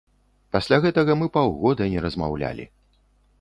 Пасля гэтага мы паўгода не размаўлялі.